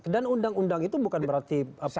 dan undang undang itu bukan berarti